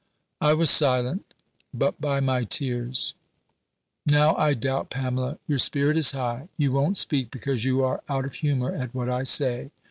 I was silent, but by my tears. "Now, I doubt, Pamela, your spirit is high. You won't speak, because you are out of humour at what I say.